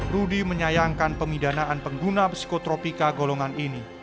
rudy menyayangkan pemidanaan pengguna psikotropika golongan ini